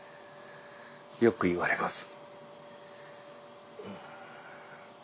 よく言われます。